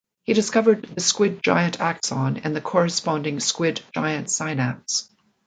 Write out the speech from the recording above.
He discovered the squid giant axon and the corresponding squid giant synapse.